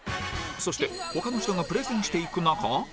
そして他の人がプレゼンしていく中